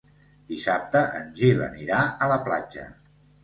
Dissabte en Gil anirà a la platja.